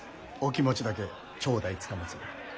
お気持ちだけ頂戴つかまつる。